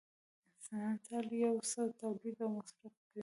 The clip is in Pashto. انسان تل یو څه تولید او مصرف کوي